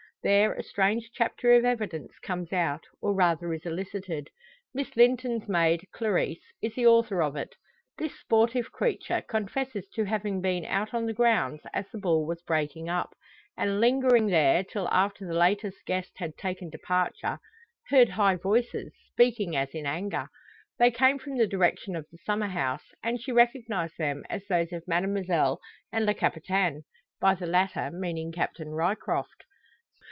There a strange chapter of evidence comes out, or rather is elicited. Miss Linton's maid, Clarisse, is the author of it. This sportive creature confesses to having been out on the grounds as the ball was breaking up; and, lingering there till after the latest guest had taken departure, heard high voices, speaking as in anger. They came from the direction of the summer house, and she recognised them as those of Mademoiselle and Le Capitaine by the latter meaning Captain Ryecroft.